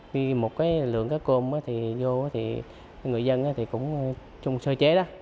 vì một cái lượng cắt cơm vô thì người dân cũng chung sơ chế đó